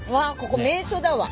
ここ名所だわ。